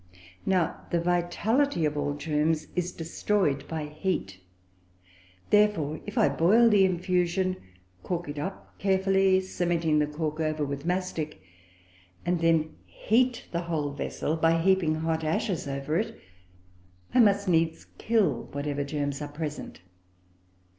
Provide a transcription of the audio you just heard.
Now the vitality of all germs is destroyed by heat. Therefore, if I boil the infusion, cork it up carefully, cementing the cork over with mastic, and then heat the whole vessel by heaping hot ashes over it, I must needs kill whatever germs are present.